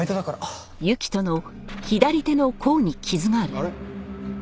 あれ？